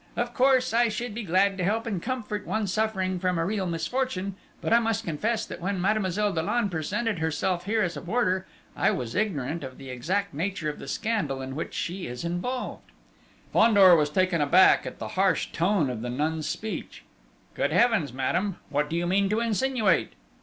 Of course, I should be glad to help and comfort one suffering from a real misfortune; but I must confess, that when Mademoiselle Dollon presented herself here as a boarder, I was ignorant of the exact nature of the scandal in which she is involved." Fandor was taken aback at the harsh tone of the nun's speech. "Good Heavens, madame, what do you mean to insinuate?"